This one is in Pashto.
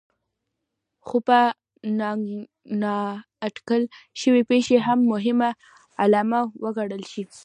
خو په نااټکل شوې پېښې هم مهم عامل وګڼل شي.